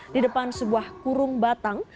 di depan sebuah kurung batang